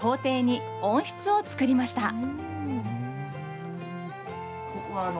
校庭に温室を作りました。